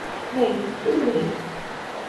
Bem, tudo bem.